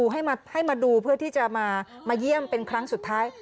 ให้มาดูเพื่อที่จะมาเยี่ยมเป็นครั้งสุดท้าย